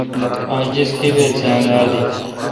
اس آج طیبیت سہ انگار دیت۔